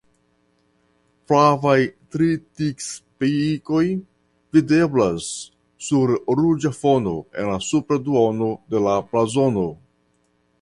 Flavaj tritikspikoj videblas sur ruĝa fono en la supra duono de la blazono.